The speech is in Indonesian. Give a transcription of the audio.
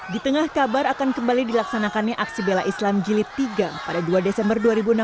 di tengah kabar akan kembali dilaksanakannya aksi bela islam jilid tiga pada dua desember dua ribu enam belas